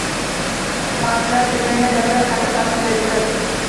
Mas’uliyati cheklangan jamiyat qayta tashkil etilib